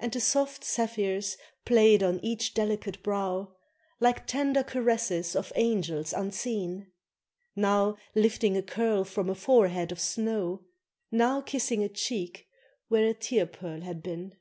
And the soft zephyrs played on each delicate brow, Like tender caresses of angels unseen; Now lifting a curl from a forehead of snow, Now kissing a cheek where a tear pearl had been.